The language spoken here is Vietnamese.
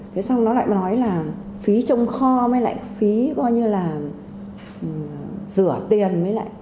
thế xong nó lại nói là phí trông kho mới lại phí coi như là rửa tiền mới lại